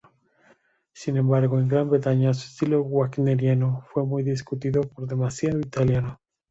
Sin embargo, en Gran Bretaña, su estilo wagneriano fue muy discutido, por demasiado italiano.